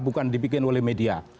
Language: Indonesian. bukan dibikin oleh media